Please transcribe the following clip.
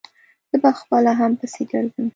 زه په خپله هم پسې ګرځم.